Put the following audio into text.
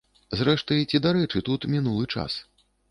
Зрэшты, ці дарэчы тут мінулы час?